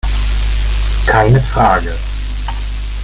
Keine Frage.